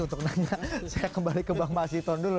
untuk nanya saya kembali ke bang mas hiton dulu